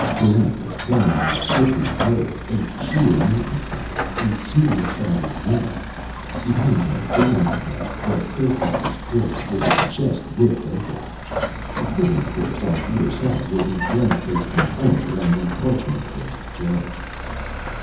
Barrent was climbing a slippery pole, a sheer mountainside, a smooth sided well. Behind him, gaining on him, was Therkaler's corpse with its chest ripped open. Supporting the corpse on either side were the blank faced informer and the parchment faced judge.